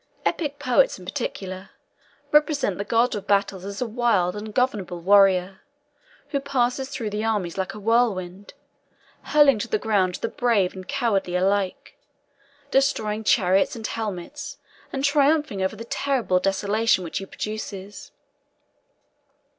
Epic poets, in particular, represent the god of battles as a wild ungovernable warrior, who passes through the armies like a whirlwind, hurling to the ground the brave and cowardly alike; destroying chariots and helmets, and triumphing over the terrible desolation which he produces.